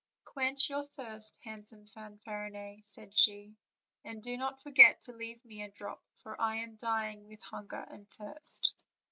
"Quench your thirst, handsome Fanfarinet," said she, "and do not forget to leave me a drop, for I am dying with hunger and thirst."